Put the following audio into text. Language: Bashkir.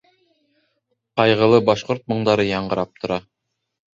Ҡайғылы башҡорт моңдары яңғырап тора.